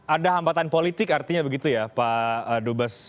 ada hambatan politik artinya begitu ya pak dubes